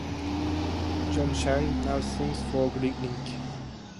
Jon Chang now sings for Gridlink.